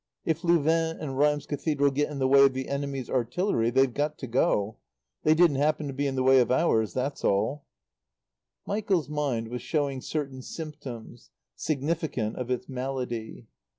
If Louvain and Rheims Cathedral get in the way of the enemy's artillery they've got to go. They didn't happen to be in the way of ours, that's all." Michael's mind was showing certain symptoms, significant of its malady.